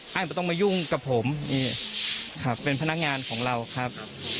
ไม่ต้องมายุ่งกับผมนี่ครับเป็นพนักงานของเราครับ